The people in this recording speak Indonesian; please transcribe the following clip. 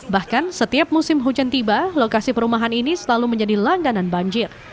bahkan setiap musim hujan tiba lokasi perumahan ini selalu menjadi langganan banjir